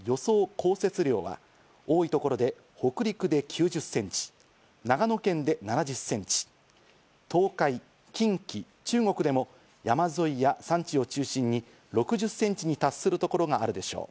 降雪量は、多い所で北陸で９０センチ、長野県で７０センチ、東海、近畿、中国でも山沿いや山地を中心に６０センチに達する所があるでしょう。